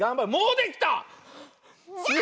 できた！